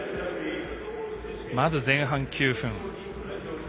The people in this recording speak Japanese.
まず前半９分。